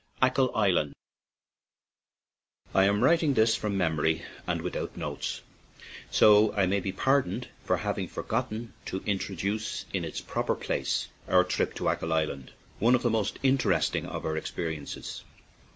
ACHILL ISLAND I AM writing this from memory and without notes, so I may be pardoned for having forgotten to introduce in its prop er place our trip to Achill Island, one of the most interesting of our experiences.